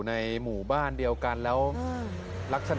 ชนหรือยังชนหรือยัง